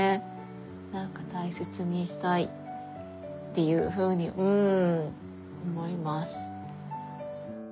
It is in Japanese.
なんか大切にしたいっていうふうにうん思います。